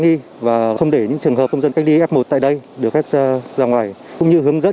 thi và không để những trường hợp công dân cách ly f một tại đây được phép ra ngoài cũng như hướng dẫn